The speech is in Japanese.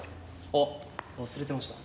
あっ忘れてました。